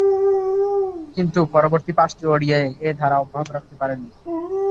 কিন্তু পরবর্তী পাঁচটি ওডিআইয়ে এ ধারা অব্যাহত রাখতে পারেননি।